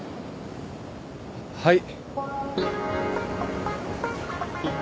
はい！